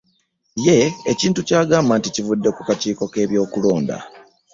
Ye ekintu ky'agamba nti kivudde ku kakiiko k'ebyokulonda